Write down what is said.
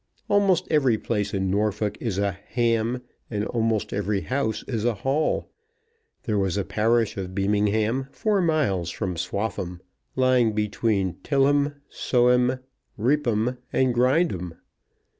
Almost every place in Norfolk is a "ham," and almost every house is a hall. There was a parish of Beamingham, four miles from Swaffham, lying between Tillham, Soham, Reepham, and Grindham.